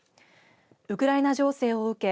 ウクライナ情勢を受け